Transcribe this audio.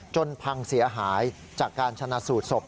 พังเสียหายจากการชนะสูตรศพ